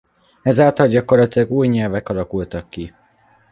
Ez által gyakorlatilag új nyelvek alakultak ki.